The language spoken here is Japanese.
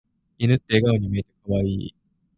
犬って笑顔に見えて可愛い。